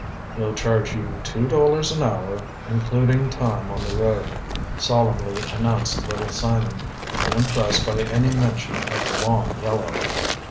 "He'll charge you two dollars an hour, including time on the road," solemnly announced Little Simon, unimpressed by any mention of the long yellow.